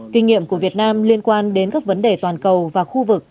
kinh nghiệm của việt nam liên quan đến các vấn đề toàn cầu và khu vực